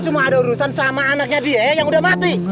cuma ada urusan sama anaknya dia yang udah mati